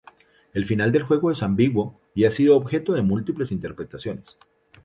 El final del juego es ambiguo, y ha sido objeto de múltiples interpretaciones.